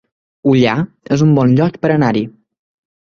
Ullà es un bon lloc per anar-hi